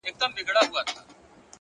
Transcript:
اې د قوتي زلفو مېرمني در نه ځمه سهار؛